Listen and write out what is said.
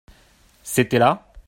C'était là.